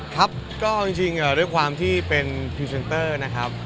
ครับก็จริงด้วยความที่เป็นพรีเซนเตอร์นะครับ